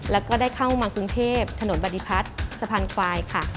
แล้วก็ได้เข้ามากรุงเทพถนนบริพัฒน์สะพานควายค่ะ